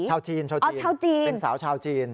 ชาวจีนเป็นสาวชาวจีน